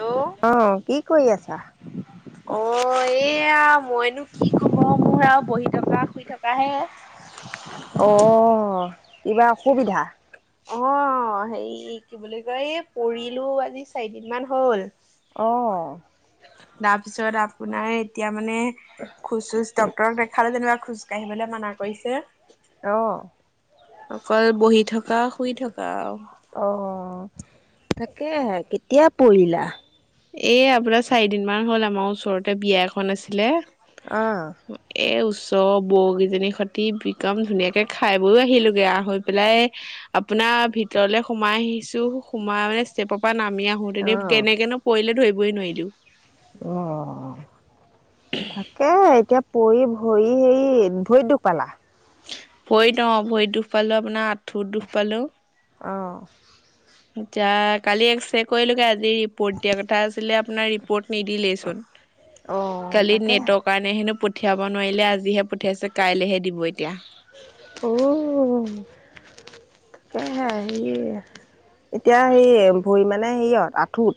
Hello অ'! কি কৰি আছা? অ'! এইয়া, মইনো কি ক'ব, মোৰ আৰু বহি থকা। থকাহে। অ'! কিবা অসুবিধা? অ'! হেৰি, কি বুলি কয়! এই, পৰিলোঁ। আজি চাৰিদিন মান হ'ল। অ'! তাৰপিছত, আপোনাৰ এতিয়া মানে, খোজ-চোজ, ডক্তৰক দেখালোঁ যেনিবা, খোজ কাঢ়িবলৈ মানা কৰিছে। অ'! অকল বহি থকা, শুই থকা আও। অ'! তাকেহে, কেতিয়া পৰিলা? এই, আপোনাৰ চাৰিদিন মান হ'ল, আমাৰ ওচৰতে, বিয়া এখন আছিলে। অ'! এ, ওচৰ বৌ কিজনী হঁতি, বিকাম ধুনীয়াকে খাই আহিলোগে, আও! হৈ পেলাই, আপোনাৰ ভিতৰলে, সোমাই আহিছোঁ, সোমাই মানে, ষ্টেপ পৰা নামি আহোঁতে যে, অ', কেনেকেনো পৰিলে, ধৰিবই নোৱাৰিলোঁ। অ'! তাকেহে, এতিয়া পৰি, ভৰি হেৰিত, ভৰিত দুখ পালা? ভৰিত অ'! ভৰিত দুখ পালোঁ, আপোনাৰ আঁঠুত দুখ পালোঁ। অ'! এতিয়া, কালি এক্সে কৰিলোগে। আজি, ৰিপৰ্ট দিয়া কথা আছিলে, আপোনাৰ ৰি পট্ নিদিলেই চোন। অ', কালি তাকে নেটৱৰ্ক কাৰণে হেনো পঠিয়াব নোৱাৰিলে, আজিহে পঠিয়াইছে কাইলেহে দিব এতিয়া। অহ, তাকে। হে সেইয়ে, এতিয়া হে ভৰি মানে হেৰি আৰু আঁঠুত।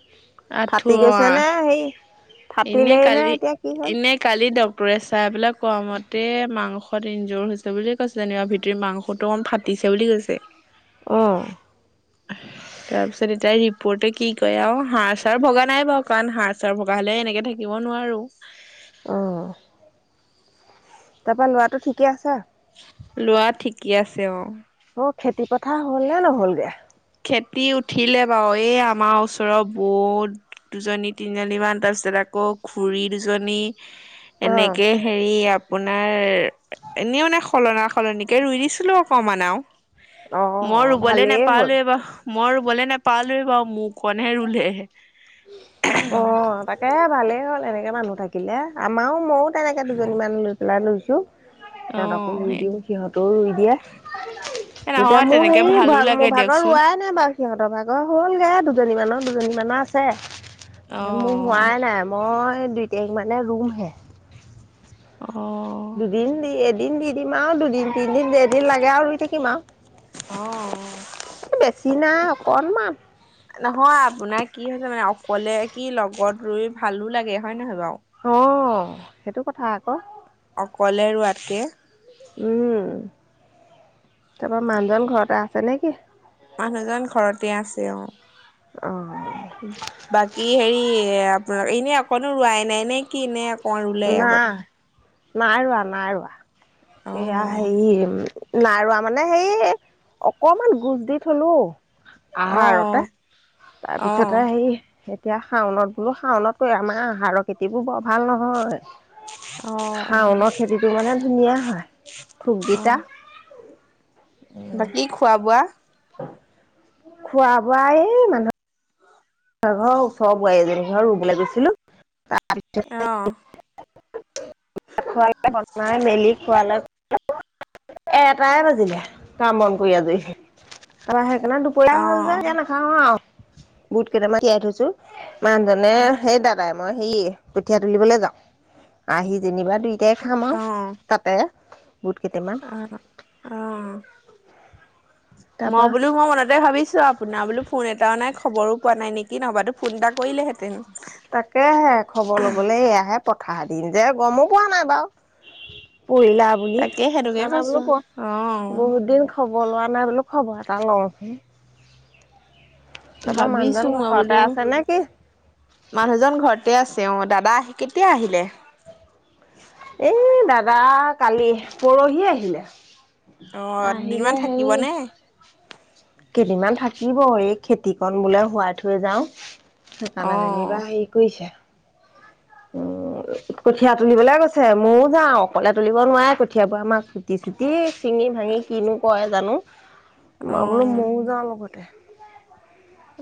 আঁঠু ফাটি গৈছে অ নে হেই, এনে ফাটিলেইনে কালি এতিয়া কি হ'ল। এনে কালি ডক্টৰে চাই পেলাই কোৱা মতে মাংসত ইনজৰ হৈছে বুলিয়ে কৈছে, যেনিবা ভিতৰ মাংসটো অকণ ফা ফাটিছে বুলি কৈছে। অহ। তাৰপিছত এতিয়া ৰিপৰ্ট কি কয় আৰু হড়-চাৰ ভগা নাই বাৰু। কাৰণ হাড়-চাৰ ভগা হ'লে এনেকে থাকিব নোৱাৰোঁ। অহ, তাৰপৰা লৰাটো ঠিকে আছে? ল'ৰা ঠিকে আছে অহ। অহ, খেতি পথাৰ হ'লনে নহ'লগে? খেতি উঠিলে বাৰু। এই আমাৰ ওচৰৰ ব দুজনী তিনিজনীমান, তাৰপিছত আকৌ খুৰি দুজনী। অ এনেকে হেৰি আ আপোনাৰ এনেও মিনে সলনা-সলনিকে ৰুই দিছিলোঁ অকমান আও। অ মই অ ৰুবলৈ ভালেই হ'ল নোপালোৱেই। মই ৰুৱলে নেপালোয়ে বাৰু মোৰ কনহে ৰুলে। তাকেহে ভালেই হ'ল এনেকে মানুহ থাকিলে, আমাৰো মইয়ো তেনেকৈ দুজনীমান ৰুই পেলাই লৈছোঁ। সিহঁতকো অ', ৰুই সেই দিওঁ, সিহঁতেও ৰুই দিয়ে। এ এতিয়া নহয় মোৰ তেনেকে হেৰি, ভালো লাগে মোৰ ভাগৰ দিয়কচোন। ৰুৱাই নাই বাৰু। সিহঁতৰ ভাগৰ হ'লগৈ দুজনীমানৰ, দুজনীমানৰ আছে। তাৰপিছত মোৰ অ', হোৱাই নাই, মই দুই তাৰিখ মানে ৰুমহে। অহ। দুদিন দি, এদিন দি দিম আৰু দুদিন তিনিদিন যেইদিন লাগে আৰু ৰুই থাকিম অ', আৰু। এ বেছি নাই অকনমান। নহয় আপোনাৰ কি হৈছে মানে, অকলে কি লগত ৰুই ভালো লাগে হয় নহয় বাৰু? অহ, সেইটো কথা আকৌ। অকলে ৰুৱাতকে। উম, তাৰপৰা মানুহজন ঘৰতে আছে নেকি? মানুহজন ঘৰতে আছে অহ। অহ। বাকী হেৰি আপোনা, এনেই অকনো ৰুৱাই নাই নেকি? নে অকমান ৰুলে আগত? নাই, নাই ৰুৱা নাই ৰুৱা। এইয়া অ', হেৰি নাই ৰুৱা মানে সেইয়ে অকণমান গোজ দি থলো। আহাৰতে। অ', অ', অ', তাৰপিছতে সেই এতিয়া শাওনত বোলো, শাওনত আমাৰ আহাৰৰ খেতিবোৰ বৰ ভাল নহয়। শাওনৰ অ', খেতিটো মানে ধুনীয়া ঠোক অ', কেইটা। বাকী খোৱা-বোৱা? খোৱা-বোৱা এই মানুহ [unintelligible] ঘৰৰ ওচৰৰ বোৱাৰী এজনী ঘৰত ৰুবলে গৈছিলোঁ। তাৰ অ', [unintelligible] [unintelligible] বনাই মেলি খুৱালে। এটাই বাজিলে কাম-বন কৰি আজৰি হৈ, তাৰপৰা সেইকাৰণে দুপ দূপৰীয়া হ'ল যে এতিয়া অ', নাখাওঁ আৰু। বুট কেইটামান তিয়াই থৈছোঁ মানুহজনে সেই দাদাই মই হেৰি কঠীয়া তুলিবলে যাওঁ, আহি যেনিবা দুইটাই খাম আৰু। অ', তাতে বুট কেইটামান অহ', অহ'। মই তাৰপা বোলোঁ, মই মনতে ভাবিছোঁ আৰু আপোনাৰ বোলো ফোন এটাও নাই খবৰো পোৱা নাই নেকি, নহ'বাতো ফোন এটা কৰিলেহেঁতেন। তাকেহে, খবৰ ল'বলৈ এয়াহে পথাৰৰ দিন যে গমো পোৱা নাই বাৰু। পৰিলা বুলি, তাকে সেইটোকে সেইকাৰণে কৈছো বোলো প অ', বহুত দিন খবৰ লোৱা নাই বোলোঁ, খবৰ এটা লওঁচোন। তাৰপৰা মানুহজন ভাবিছো মই ঘৰতে বোলোঁ। আছে নে কি মানুহজন ঘৰতে আছে অ', দাদা আহি কেতিয়া আহিলে? এই দাদা কালি, পৰহি আহিলে। অ', দুদিনমান আহিলে হেৰি। থাকিবনে? কেইদিনমান থাকিব, এই খেতিকন বোলে হোৱাই থৈ যাওঁ। সেইকাৰণে অ', যেনিবা হেৰি কৰিছে। [inaudible] কঠিয়া তুলিবলৈ গৈছে, মইয়ো যাওঁ। অকলে তুলিব নোৱাৰে কঠিয়াবোৰ আমাৰ চুটি চুটি, চিঙি ভাঙি কিনো কৰে জানোঁ। [inaudible] মই বোলোঁ, মইয়ো যাওঁ লগতে।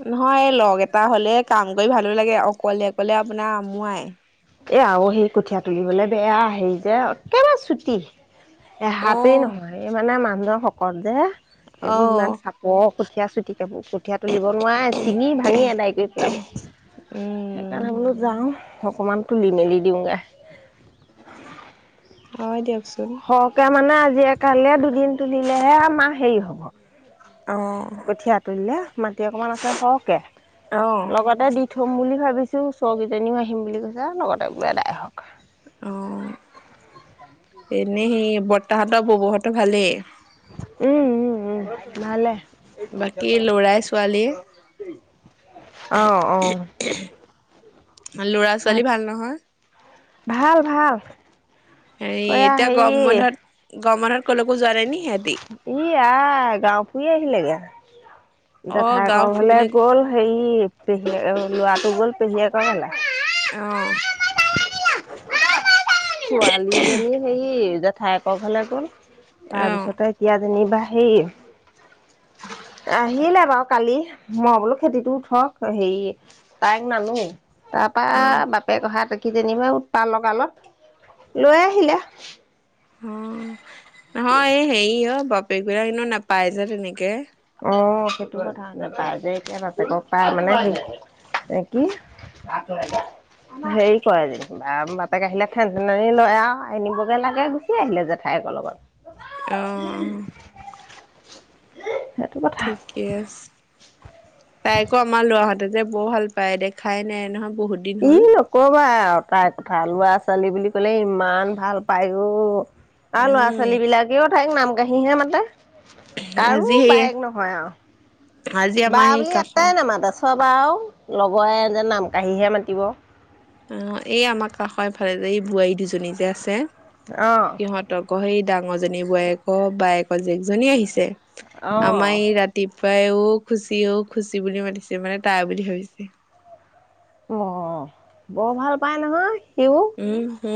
নহয়, এ লগ এটা হ'লে কাম কৰি ভালো লাগে। অকলে অকলে আপোনাৰ আমুৱাই। আৰু সেই কঠীয়া তুলিবলৈ বেয়া হেৰি যে, একেবাৰে চুটি। এহাতেই অ', নহয়, এই মানে মানুহজন শকত যে। সেইবোৰ অ', ইমান চাপ চাপৰ কঠীয়া চুটি কাপো, কঠীয়া তুলিব নোৱাৰে চিঙি ভাঙি আদায় কৰি পেলাব। উম, সেইকাৰণে বোলো যাওঁ, অকণমান তুলি মেলি দিওঁগৈ। হয় দিয়ক। সৰহকে মানে, আজিয়ে কালিয়ে দুদিন তুলিলেহে আমাৰ হেৰি হ'ব। অ', কঠীয়া তলিলে, মাটি অকণমান আছে সৰহকৈ। অ', লগতে দি থম বুলি ভাবিছোঁ। ওচৰকেইজনীও আহিম বুলি কৈছে, লগতে বোলো এদাই হওঁক। অ', এনেই সেই বৰ্তাহঁতৰ ববৌহঁতৰ ভালেই। উম্, উম্, উম্, ভালেই। বাকী ল'ৰাই ছোৱালীয়ে অ', অ'। ল'ৰা ছোৱালী ভাল নহয়। ভাল ভাল। হেই এয়া এতিয়া গৰম হেৰি বন্ধত, গৰম বন্ধত ক'লৈকো যোৱা নাই ন সিহঁতি। ই আই, গাওঁ ফুৰি আহিলেগে। অ', গাঁও জেঠাইকৰ ঘৰলে ফুৰিবলৈ গ'ল, হেৰি পেহীয়ে, ল'ৰাটো গ'ল পেহীয়েকৰ ঘৰলে। অ', ছোৱালীজনী হেৰি জেঠাইকৰ ঘৰলে গ'ল। অ', তাৰপিছতে এতিয়া যেনিবা হেৰি আহিলে বাৰু কালি। মই বোলো খেতিটো উঠক। হেৰি তাইক নানো, তাৰ পৰা অ'। বাপেক অহা দেখি যেনিবা উতপাত লগালত- লৈ আহিলে। অ', নহয় এই হেৰি অ', বাপেক বিলাকক এনেও নাপাই যে তেনেকে। অ', সেইটো কথা। নেপায় যে এতিয়া বাপেকক পায় মানে কি কি? ৰাাক [inaudible] হেৰি কৰে যেনিবা। বাপেক আহিলে ঠেন ঠেননি লয় আৰু আনিবগে লাগে, গুচি আহিলে জেঠায়কৰ লগত। অ', সেইটো কথা। ঠিকে আছে, তাইকো আমাৰ ল'ৰা হটে ত যে বৰ ভাল পায়। দেখাই নাই নহয় বহুত- দিন ই হ'ল। নকবায় তাই কথা, ল'ৰা-ছোৱালী বুলি ক'লে ইমান ভাল পায় অ'। আৰু উম, ল'ৰা-ছোৱালী বিলাকেও তাইক নাম কাঢ়িহে মাতে। কাৰো আজি সেয়ে বায়েক নহয় আজি আৰু বা আমাৰ সেই বুলি কাষৰ এটাই নামাতে, আছে- চব আৰু লগৰে এ যেন, নাম কাঢ়িহে মাতিব। অ', এই আমাৰ কাষৰ এফালে যে এই বোৱাৰী দুজনী যে আছে। অ'! সিহঁতকো সেই, ডাঙৰজনী বোৱাৰীয়েক, বায়েকৰ জীয়েকজনী আহিছে। অঁ আমাৰ এই, ৰা ৰাতিপুৱাইও, অ'! খুশি, অ'! খুশি বুলি মাতিছে। মানে, তাই বুলি ভাবিছে। অ'! বৰ ভাল পাই নহয়, সিও। উম, হু!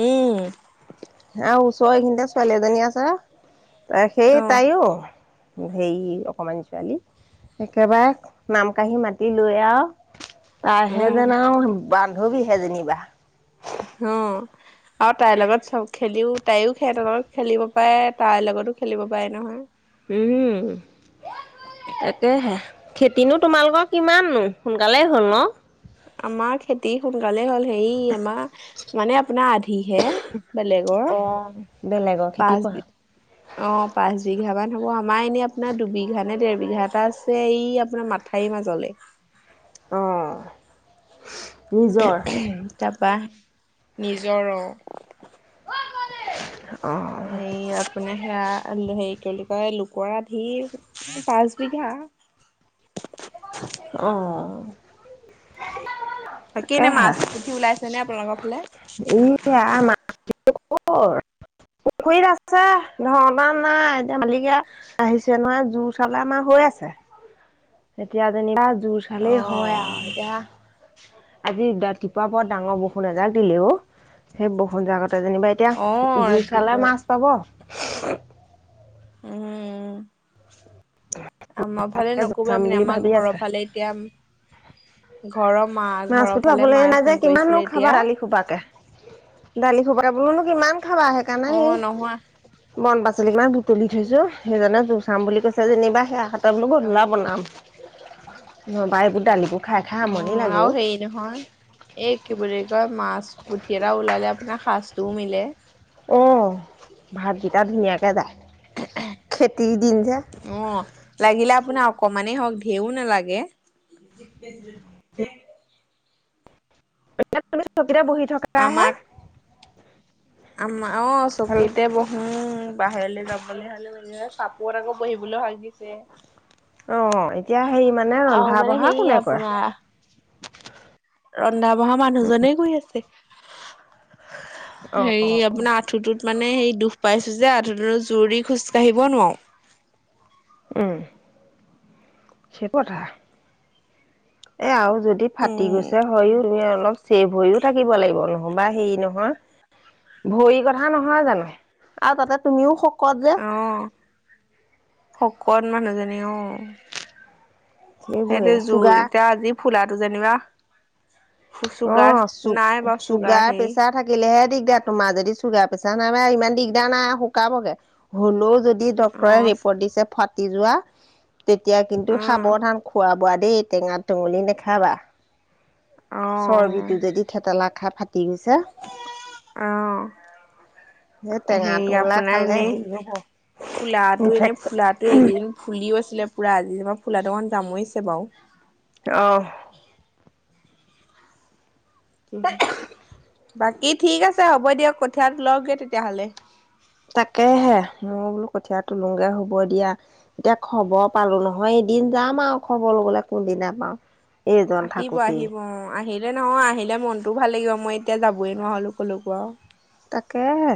আৰু ওচৰ এইখিনিতে, ছোৱালী এজনী আছে। সেই অ' তাইও, সেই, অকমানি ছোৱালী। একেবাৰে, নাম কঢ়ি মাতি লৈ আৰু। তাইহে, উম যেন আৰু বান্ধৱীহে জেনিবা। [unintelligible] আৰু তাইৰ লগত, চব খেলিও, তাইয়ো, সেহঁতৰ লগত খেলিব পাৰে, তাইৰ লগতো খেলিব পাৰে, নহয়। উম, তাকেহে! খেতিনো, তোমালোকৰ কিমাননো! সোনকালেই হ'ল ন'? আমাৰ খেতি সোনকালে হ'ল। হেৰি, আমাৰ মানে, আপোনাৰ আধিহে। বেলেগৰ অ'! বেলেগৰ খেতি পাঁচ বি কৰা? অ'! পাঁচ বিঘা মান হ'ব। আমাৰ এনে, আপোনাৰ দুবিঘা নে, ডেৰ বিঘা এটা আছে। এই, আপোনাৰ ম মঠাওৰি মাজলে। অ'! [unintelligible] তাৰাপৰা, নিজৰ অ'! অ'! হেৰি আপোনাৰ সেয়া, হেৰি কি বুলি কয়! লোকৰ আধি, পাঁচ বিঘা। অ'! [unintelligible] বাকী এনে, মাছ পঠি ওলাইছে নে, আপোনালোকৰ ফালে? [unintelligible] পুখুৰীত আছে, দৰ-দাম নাই। এতিয়া, মালিকে আহিছে নহয়, [unintelligible] চালে আমাৰ হৈ আছে। এতিয়া যেনিবা, [unintelligible] চালেই হয় অ' আৰু। এতিয়া আজি, ৰাতিপুৱা পৰত, ডাঙৰ বৰষুণ এজাক দিলে, অ'! সেই, বৰষুণজাকতে যেনিবা অ' এতিয়া, [unintelligible] ৰাতিপুৱা মাছ পাব। উম'! [unintelligible] আমাৰ ফালে তাকে জোৰ চাম নকবাই মানে, বুলি আমাৰ ভাবি ঘৰৰ আছে। ফালে, এতিয়া, ঘৰৰ মা মাছ ঘৰৰ ফালে পঠুৱাবলৈ মায়ে নাই ফোন যে। কিমান কৰিছিলে খাবা এতিয়া দালি সোপাকে! দালি সোপাকে বোলোনো, কিমান খাবা! সেইকাৰনে, অ' সেই নহয় বন-পাচলি কিমান বুটলি থৈছোঁ। সেইজনে গুচাম বুলি কৈছে যেনিবা, সেয়া। অ' [unintelligible] দালিবোৰ খাই, খাই আমনি অ'! আৰু সেই, নহয় এই, কি বুলি কয়! মাছ পুঠি এটা ওলালে আপোনাৰ, সাজটোও মিলে। অ'! ভাতকেইটা ধুনীয়াকে যায়। খেতি দিন যে। অ'! লাগিলে আপোনাৰ অকমানেই হওঁক, ধেৰিও নালাগে। [unintelligible] এতিয়া, তুমি চকীতে বহি থ আমা আমাৰ অ'! ভাল চকীতে ব উম, বাহিৰলৈ যাবলৈ হ'লে মানে, চাপৰত আকৌ, বহিবলৈ সাজিছে। অ'! এতিয়া হেৰি মানে, আৰু মানে ৰন্ধা-বঢ়া হেৰি কোনে কৰে? আপোনাৰ ৰন্ধা- বঢ়া মানুহজনে কৰি আছে। [unintelligible] অ হেৰি, আপোনাৰ আঁঠুটোত মানে, সেই দুখ পাইছোঁ যে, আঁঠুটো জোৰ দি খোজকাঢ়িব নোৱাৰোঁ। উম, [unintelligible] এ, আৰু যদি ফাটি উম গৈছে হয় দে অলপ চেভ হৈও থাকিব লাগিব নহ'বা হেৰি নহয়। ভৰি কথা নহয় জানোঁ, আৰু তাতে তুমিও শকত যে। অহ, শকত মানুহজনী অহ। সেইবোৰে সেইটোৱে জুই চুগাৰ এতিয়া আজি ফুলটো যেনিবা। চুগাৰ অহ, নাই বাৰু চুগাৰ চু-চুগাৰ হেৰি প্ৰেছাৰ থাক থাকিলেহে দিগদাৰ, তোমাৰ যদি চুগাৰ প্ৰেচাৰ নাই বা ইমান দিগদাৰ নাই শুকাবগে, হ'লেও যদি ডক্তৰে অ', ৰিপৰ্ট দিছে ফাটি যোৱা, তেতিয়া কিন্তু অ', সাৱধান খোৱা-বোৱা দেই। টেঙা তুঙুলি নেখাবা। অ', যদি থেতেলা খাই ফাটি গৈছে। অহ। সেই টেঙা হেৰি টোঙোলা আপোনাৰ খালে এনেই, হেৰি হ'ব ফুলাটো এনেই ইনফেকচন ফুলটো এদিন ফুলিও আছিলে পুৰা, আজি যেনিবা ফুলাটো যামুৰিছে বাৰু। অহ। বাকী ঠিক আছে হ'ব দিয়ক, কঠিয়াত তোলক গৈ তেতিয়াহ'লে। তাকেহে, মই বোলো কঠিয় তোলোগে হ'ব দিয়া। এতিয়া খবৰ পালোঁ নহয় এদিন যাম আৰু খবৰ লবলে কোনদিনা পাওঁ। এইজন আহিব থাকোঁতেই। আহিব অ', আহিলে নহয়, আহিলে মনতো ভাল লাগিব মই এতিয়া যাবই নোৱাৰো হলো কলৈকো আৰু। তাকেহে,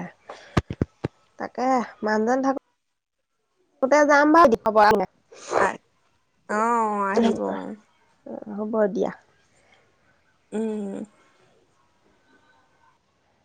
তাকে মানুহজন থাকো থাকোতে যাম বাৰু দিব পৰা একো নাই। আহ অহ, আহিব। হ'ব দিয়া। উম।